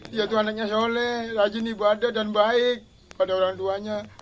dia tuh anaknya soleh rajin ibadah dan baik pada orang tuanya